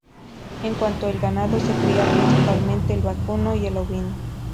En cuanto al ganado se cría principalmente el vacuno y el ovino.